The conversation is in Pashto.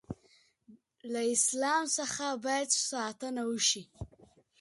له اسلام څخه باید ساتنه وشي.